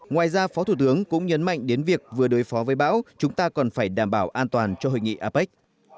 ngoài ra phó thủ tướng cũng nhấn mạnh đến việc vừa đối phó với bão chúng ta còn phải đảm bảo an toàn cho hội nghị apec